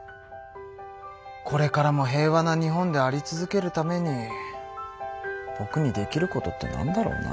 これからも平和な日本であり続けるためにぼくにできることってなんだろうな。